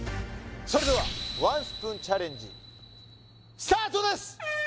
それではワンスプーンチャレンジスタートです！